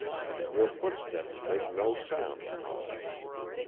Your footsteps make no sound upon it.